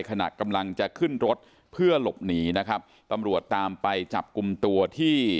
ขณะกำลังจะขึ้นรถเพื่อหลบหนีนะครับตำรวจตามไปจับกลุ่มตัวที่